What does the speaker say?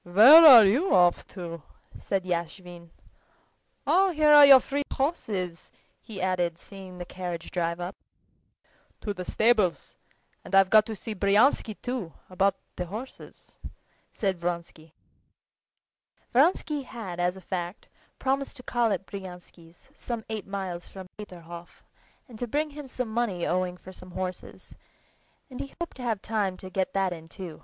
"Where are you off to?" asked Yashvin. "Oh, here are your three horses," he added, seeing the carriage drive up. "To the stables, and I've got to see Bryansky, too, about the horses," said Vronsky. Vronsky had as a fact promised to call at Bryansky's, some eight miles from Peterhof, and to bring him some money owing for some horses; and he hoped to have time to get that in too.